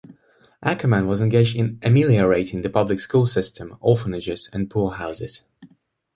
Ackermann was engaged in ameliorating the public school system, orphanages, and poor houses.